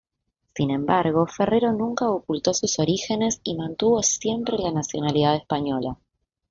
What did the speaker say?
Sin embargo, Ferrero nunca ocultó sus orígenes y mantuvo siempre la nacionalidad española.